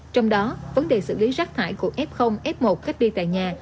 trong đó vấn đề xử lý rác thải của ép hông ép hông cách đi tại nhà